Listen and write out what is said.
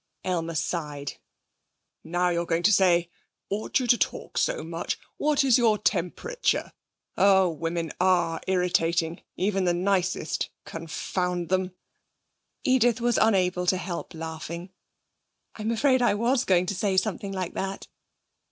Aylmer sighed. 'Now you're going to say, Ought you to talk so much? What is your temperature? Oh, women are irritating, even the nicest, confound them!' Edith was unable to help laughing. 'I'm afraid I was going to say something like that.'